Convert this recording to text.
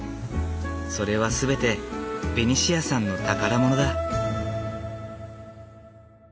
それは全てベニシアさんの宝物だ。